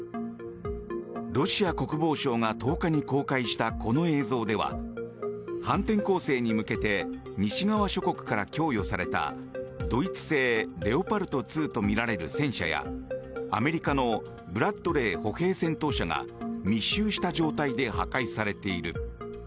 ロシア国防省が１０日に公開したこの映像では反転攻勢に向けて西側諸国から供与されたドイツ製レオパルト２とみられる戦車やアメリカのブラッドレー歩兵戦闘車が密集した状態で破壊されている。